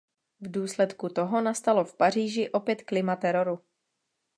V důsledku toho nastalo v Paříži opět klima teroru.